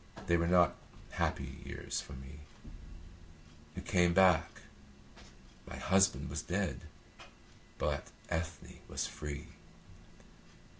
They were not happy years for me. You came back. My husband was dead, but Ethne was free.